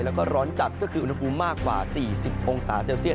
แล้วก็ร้อนจัดก็คืออุณหภูมิมากกว่า๔๐องศาเซลเซียต